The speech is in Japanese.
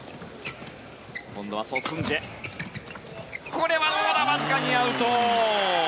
これはわずかにアウト。